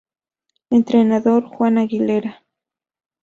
Entrenador: Juan Aguilera